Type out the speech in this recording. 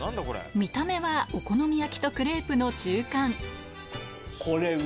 見た目はお好み焼きとクレープの中間